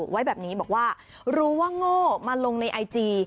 ไว้แบบนี้บอกว่ารู้ว่าโง่มาลงในไอจี